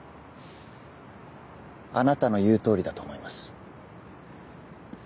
あなたの言う通りだと思います。